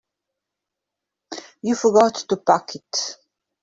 You forgot to pack it.